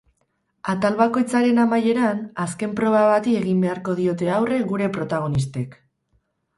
Atal bakoitzaren amaieran, azken proba bati egin beharko diote aurre gure protagonistek.